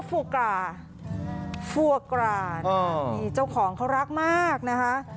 ฟัวกรานี่เจ้าของเขารักมากนะฮะ